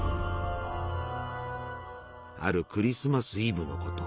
あるクリスマス・イブのこと。